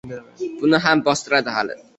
Buni ham bostiradi hali..